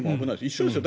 一緒ですよ。